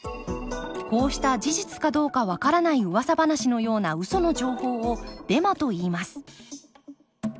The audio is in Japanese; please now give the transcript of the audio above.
こうした事実かどうかわからないうわさ話のようなウソの情報をデマといいます。